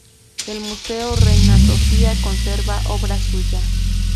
El Museo Reina Sofía conserva obra suya.